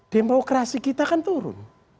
demokrasi kita kan turun